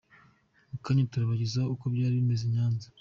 Mu kanya turabagezaho uko byari bimeze i Nyanza.